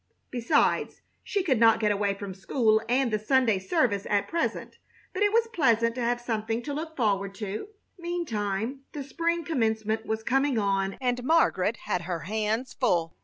Besides, she could not get away from school and the Sunday service at present; but it was pleasant to have something to look forward to. Meantime the spring Commencement was coming on and Margaret had her hands full.